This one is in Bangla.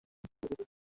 তো, কোথায় থাকো?